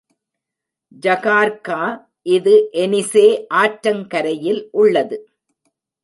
ஐகார்க்கா இது எனிசே ஆற்றங் கரையில் உள்ளது.